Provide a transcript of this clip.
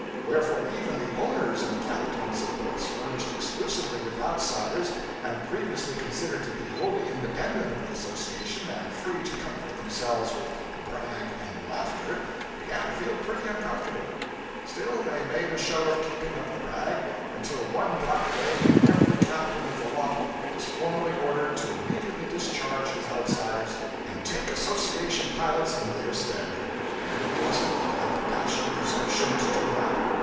Wherefore even the owners and captains of boats furnished exclusively with outsiders, and previously considered to be wholly independent of the association and free to comfort themselves with brag and laughter, began to feel pretty uncomfortable. Still, they made a show of keeping up the brag, until one black day when every captain of the lot was formally ordered to immediately discharge his outsiders and take association pilots in their stead. And who was it that had the dashing presumption to do that?